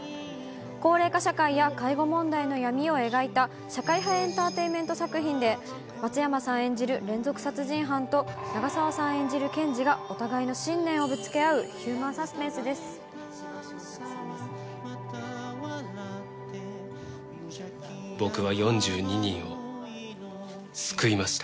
高齢化社会や介護問題の闇を描いた社会派エンターテインメント作品で、松山さん演じる連続殺人犯と、長澤さん演じる検事がお互いの信念をぶつけ合うヒューマンサスペ僕は４２人を救いました。